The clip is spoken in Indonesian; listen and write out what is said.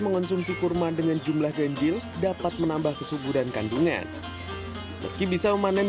mengonsumsi kurma dengan jumlah ganjil dapat menambah kesuburan kandungan meski bisa memanen